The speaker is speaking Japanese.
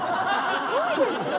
すごいですよね。